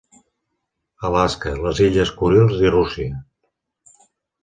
Alaska, les illes Kurils i Rússia.